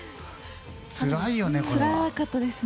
つらいよね。